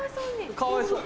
かわいそう。